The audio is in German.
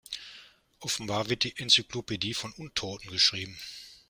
Offenbar wird die Enzyklopädie von Untoten geschrieben.